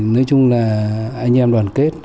nói chung là anh em đoàn kết